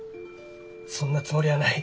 そんなつもりはない。